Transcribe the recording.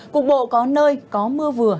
cục bộ có nơi có mưa vừa